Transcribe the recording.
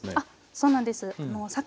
そうなんです。